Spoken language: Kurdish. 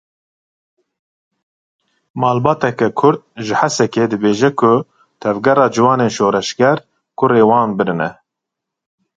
Malbateke Kurd ji Hesekê dibêje ku Tevgera Ciwanên Şoreşer kurê wan birine.